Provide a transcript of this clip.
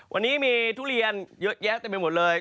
วันนี้มีทุเรียนเยอะแยะเต็มไปหมดเลย